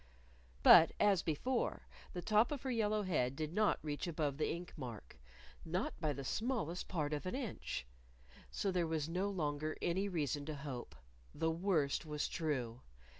But as before the top of her yellow head did not reach above the ink mark not by the smallest part of an inch! So there was no longer any reason to hope! The worst was true!